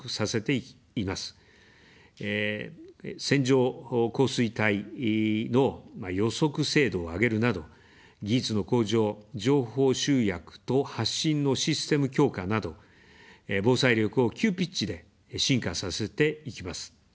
線状降水帯の予測精度を上げるなど、技術の向上、情報集約と発信のシステム強化など、防災力を急ピッチで進化させていきます。